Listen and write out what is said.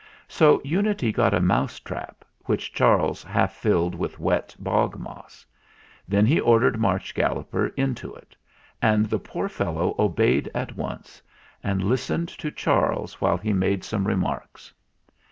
So Unity got a mouse trap, which Charles 224 THE FLINT HEART half filled with wet bog moss. Then he or dered Marsh Galloper into it, and the poor fellow obeyed at once, and listened to Charles while he made some remarks.